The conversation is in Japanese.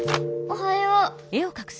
おはよう。